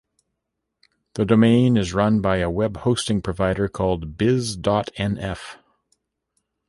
The domain is run by a web-hosting provider called biz.nf.